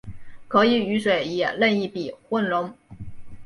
可以与水以任意比混溶。